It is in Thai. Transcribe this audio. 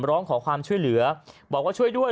ร้องขอความช่วยเหลือบอกว่าช่วยด้วย